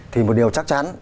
thì một điều chắc chắn